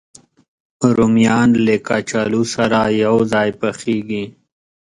رومیان له کچالو سره یو ځای پخېږي